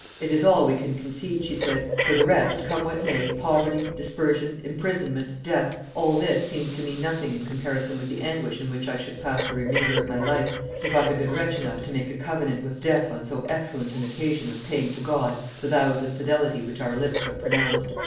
"It is all we can concede," she said; "for the rest, come what may, poverty, dispersion, imprisonment, death, all this seems to me nothing in comparison with the anguish in which I should pass the remainder of my life if I had been wretch enough to make a covenant with death on so excellent an occasion of paying to God the vows of fidelity which our lips have pronounced."